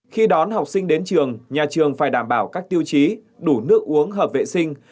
khi đón học sinh đến trường nhà trường phải đảm bảo các tiêu chí đủ nước uống hợp vệ sinh